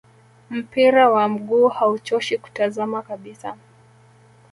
Mpira wa miguu hauchoshi kutazama kabisa